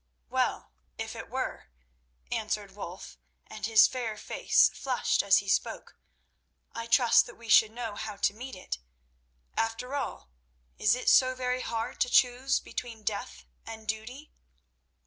"Well, if it were," answered Wulf, and his fair face flushed as he spoke, "I trust that we should know how to meet it. After all, is it so very hard to choose between death and duty?"